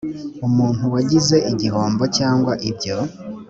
umuntu wagize igihombo cyangwa ibyo